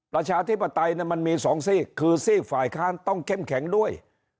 ราชาธิปไตยมันมีสองสิ่งคือเสียงฝ่ายค้านต้องเข้มแข็งด้วย